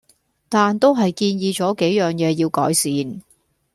但都係建議左幾樣野要改善